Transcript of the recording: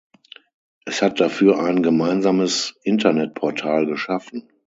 Es hat dafür ein gemeinsames Internet-Portal geschaffen.